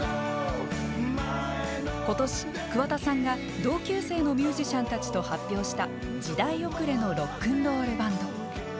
今年桑田さんが同級生のミュージシャンたちと発表した「時代遅れのＲｏｃｋ’ｎ’ＲｏｌｌＢａｎｄ」。